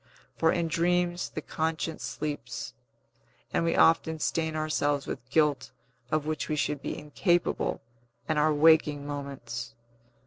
For in dreams the conscience sleeps, and we often stain ourselves with guilt of which we should be incapable in our waking moments.